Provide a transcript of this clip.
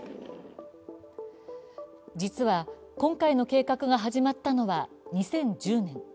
実は、今回の計画が始まったのは２０１０年。